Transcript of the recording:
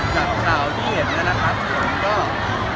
จากเท่าที่เห็น